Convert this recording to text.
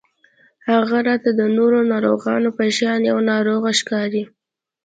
هغه راته د نورو ناروغانو په شان يوه ناروغه ښکاري